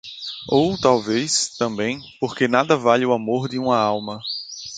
ou talvez, também, porque nada valha o amor de uma alma